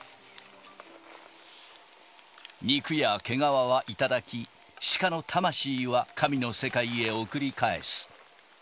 肉や毛皮はいただき、鹿の魂は神の世界へ送り返す。